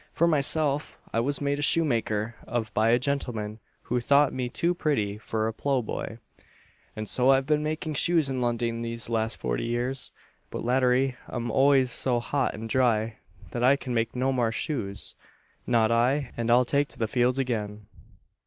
For myself, I was made a shoemaker of, by a gentleman who thought me too pretty for a plough boy: and so I've been making shoes in London these last forty years; but latterly I'm always so hot and dry, that I can make no more shoes, not I, and I'll take to the fields again."